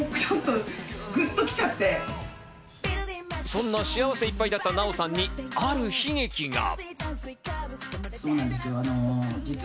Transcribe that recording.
そんな幸せいっぱいだったナヲさんにある悲劇が。